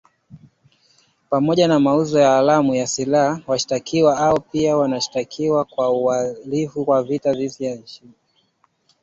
Pamoja na mauzo haramu ya silaha, washtakiwa hao pia wanashtakiwa kwa uhalivu wa vita, kushiriki katika harakati za uasi na kushirikiana na wahalifu